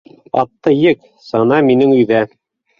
Атты ек, сана минең өйҙә.